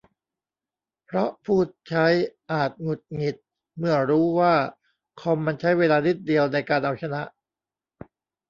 เพราะผู้ใช้อาจหงุดหงิดเมื่อรู้ว่าคอมมันใช้เวลานิดเดียวในการเอาชนะ